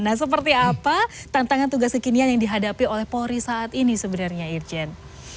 nah seperti apa tantangan tugas kekinian yang dihadapi oleh polri saat ini sebenarnya irjen